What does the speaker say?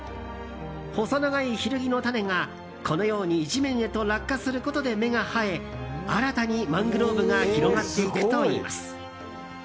細長いヒルギの種が、このように地面へと落下することで芽が生え新たにマングローブが広がっていくといいます。